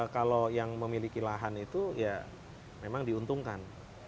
kalau yang memiliki lahan itu ya memang diuntungkan